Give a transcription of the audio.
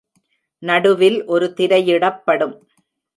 நடுவில் ஒரு திரையிடப்படும்.